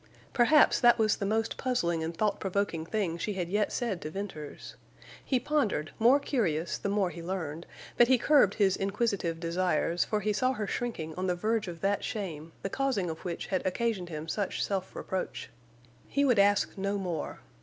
Perhaps that was the most puzzling and thought provoking thing she had yet said to Venters. He pondered, more curious the more he learned, but he curbed his inquisitive desires, for he saw her shrinking on the verge of that shame, the causing of which had occasioned him such self reproach. He would ask no more.